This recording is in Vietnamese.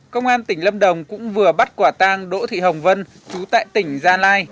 công an tỉnh lâm đồng cũng vừa bắt quả tang đỗ thị hồng vân chú tại tỉnh gia lai